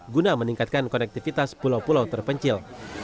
guna meningkatkan konektivitas pulau pulau terpencil